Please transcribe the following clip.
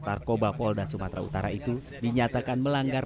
tarkoba polda sumatra utara itu dinyatakan melanggar